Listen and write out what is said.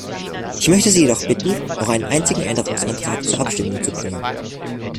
Ich möchte Sie jedoch bitten, noch einen einzigen Änderungsantrag zur Abstimmung zu bringen.